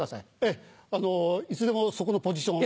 ええいつでもそこのポジション。